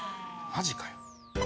マジかよ。